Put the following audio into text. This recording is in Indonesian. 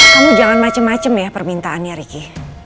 kamu jangan macem macem ya permintaannya ricky